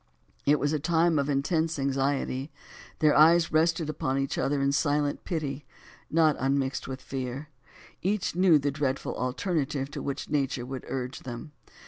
It was a time of intense anxiety, their eyes rested upon each other in silent pity, not unmixed with fear. Each knew the dreadful alternative to which nature would urge them.